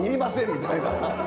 みたいな。